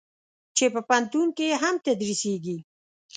چې په پوهنتون کې هم تدریسېږي.